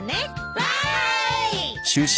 わい！